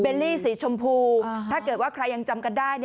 ลี่สีชมพูถ้าเกิดว่าใครยังจำกันได้